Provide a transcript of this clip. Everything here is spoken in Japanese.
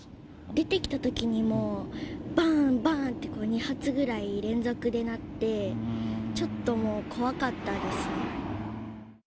出てきたときにも、ばーんばーんって２発ぐらい連続でなって、ちょっともう怖かったです。